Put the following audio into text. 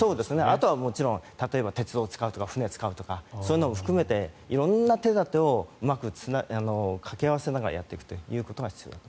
あとはもちろん鉄道を使うとか船を使うとかそういうのを含めて色んな手立てをうまく掛け合わせながらやっていくということが必要だと。